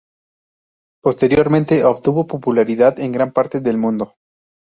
Posteriormente obtuvo popularidad en gran parte del mundo.